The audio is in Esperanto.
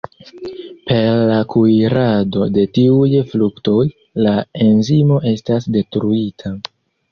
Per la kuirado de tiuj fruktoj la enzimo estas detruita.